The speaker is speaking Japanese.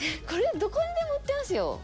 これ、どこにでも売ってますよ。